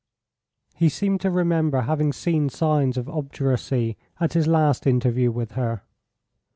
He seemed to remember having seen signs of obduracy at his last interview with her.